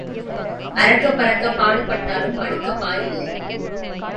அறக்கப் பறக்கப் பாடுபட்டாலும் படுக்கப் பாய் இல்லை.